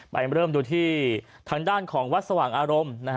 ไปเริ่มดูที่ทางด้านของวัดสว่างอารมณ์